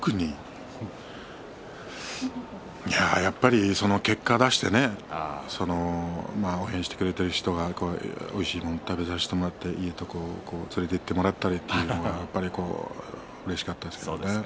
やっぱり結果を出して応援してくれている人がおいしいもの食べさせてくれていいところに連れていってくれてというのはうれしかったですね。